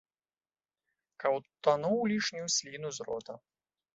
Каўтануў лішнюю сліну з рота.